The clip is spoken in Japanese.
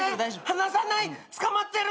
離さないつかまってる？